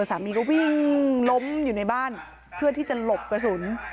สามีก็วิ่งล้มอยู่ในบ้านเพื่อที่จะหลบกระสุน